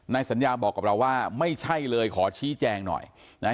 สัญญาบอกกับเราว่าไม่ใช่เลยขอชี้แจงหน่อยนะฮะ